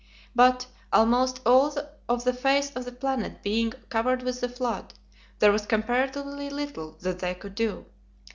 But, almost all of the face of the planet being covered with the flood, there was comparatively little that they could do.